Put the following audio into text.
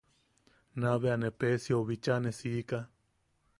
Naa bea ne Peesiou bicha ne siika.